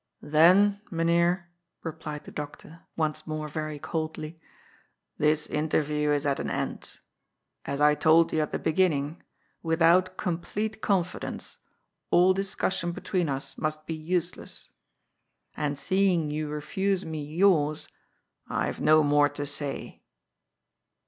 " Then, Mynheer," replied the doctor, once more very coldly, ^^ this interview is at an end. As I told you at the beginning, without complete confidence, all discussion be tween us must be useless. And seeing you refuse me yours, I have no more to say."